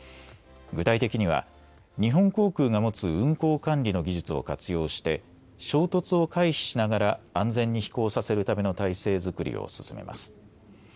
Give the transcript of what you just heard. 具体的には、日本航空が持つ運航管理の技術を活用して、衝突を回避しながら、安全に飛行させるための体制作りを進めます。